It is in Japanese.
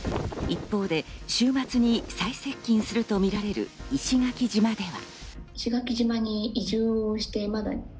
一方で週末に最接近するとみられる石垣島では。